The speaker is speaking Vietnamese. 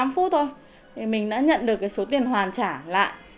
một mươi một mươi năm phút thôi mình đã nhận được số tiền hoàn trả lại